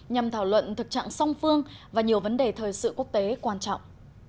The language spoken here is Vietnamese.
nhằm thảo luận thực trạng song phương và nhiều vấn đề thời sự quốc tế quan trọng